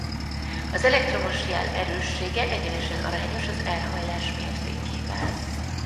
Az elektromos jel erőssége egyenesen arányos az elhajlás mértékével.